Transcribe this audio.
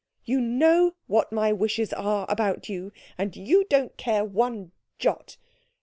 You know what my wishes are about you, and you don't care one jot.